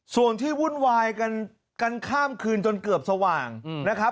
ส่วนที่วุ่นวายกันข้ามคืนจนเกือบสว่างนะครับ